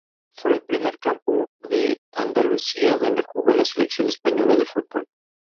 Fue el primer campo de Andalucía donde jugó la Selección Española de Fútbol.